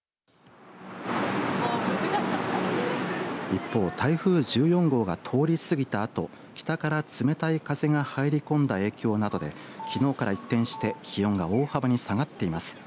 一方台風１４号が通り過ぎたあと北から冷たい風が入り込んだ影響などできのうから一転して気温が大幅に下がっています。